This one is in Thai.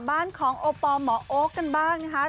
บ้านของโอปอลหมอโอ๊คกันบ้างนะคะ